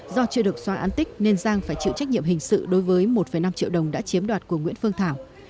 do chưa được xóa án tích nên giang phải chịu trách nhiệm hình sự đối với một năm triệu đồng đã chiếm đoạt của nguyễn phương thảo